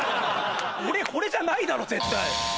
俺これじゃないだろ絶対。